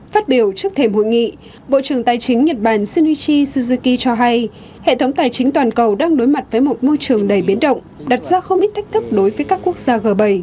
phát biểu trước thềm hội nghị bộ trưởng tài chính nhật bản shinuchi suzuki cho hay hệ thống tài chính toàn cầu đang đối mặt với một môi trường đầy biến động đặt ra không ít thách thức đối với các quốc gia g bảy